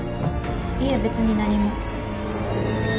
いえ別に何も。